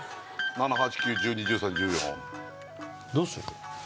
７８９１２１３１４どうする？